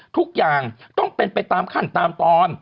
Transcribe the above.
ทุกอย่างต้องเป็นไปตามขั้นตอน